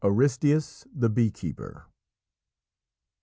ARISTÆUS THE BEE KEEPER "...